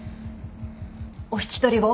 お引き取りを。